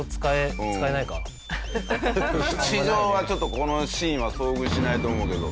日常はちょっとこのシーンは遭遇しないと思うけど。